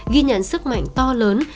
ghi nhận sức mạnh to lớn